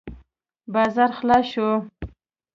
بازار خلاص شو.